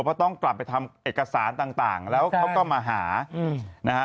เพราะต้องกลับไปทำเอกสารต่างแล้วเขาก็มาหานะฮะ